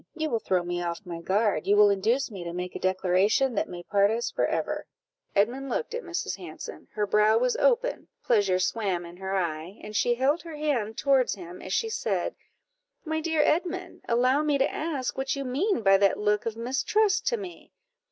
you will throw me off my guard you will induce me to make a declaration that may part us for ever." Edmund looked at Mrs. Hanson; her brow was open, pleasure swam in her eye, and she held her hand towards him as she said "My dear Edmund, allow me to ask what you mean by that look of mistrust to me?